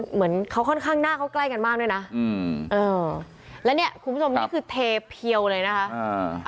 เหมือนเขาค่อนข้างหน้าเขาใกล้กันมากด้วยนะอืมเออแล้วเนี่ยคุณผู้ชมนี่คือเทเพียวเลยนะคะอ่า